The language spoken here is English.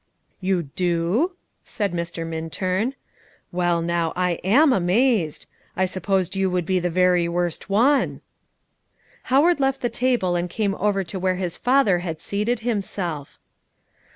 "You do?" said Mr. Minturn; "well, now, I am amazed. I supposed you would be the very worst one." Howard left the table and came over to where his father had seated himself.